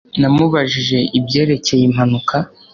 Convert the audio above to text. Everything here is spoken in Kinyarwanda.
Namubajije ibyerekeye impanuka